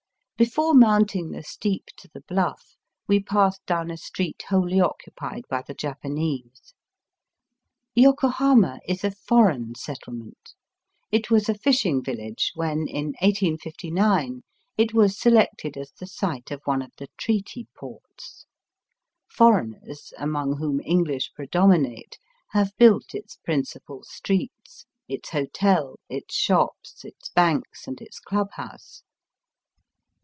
Before mounting the steep to the Bluff we passed down a street wholly occupied by the Japanese. Yokohama is a foreign settle ment. It was a fishing village when, in 1859, it was selected as the site of one of the treaty ports. Foreigners, among whom English predominate, have built its principal streets, its hotel, its shops, its banks, and its club house.